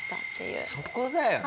そこだよね。